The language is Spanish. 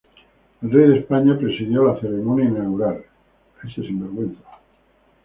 El Rey de España presidió la ceremonia inaugural.